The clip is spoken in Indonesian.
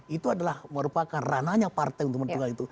itu adalah merupakan rananya partai untuk mendukung hal itu